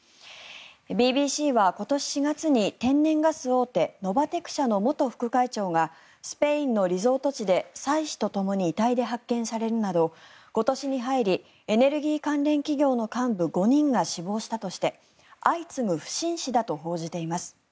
ＢＢＣは今年４月に天然ガス大手ノバテク社の元副会長がスペインのリゾート地で妻子とともに遺体で発見されるなど今年に入りエネルギー関連企業の幹部５人が死亡したとして相次ぐ不審死だと報じています。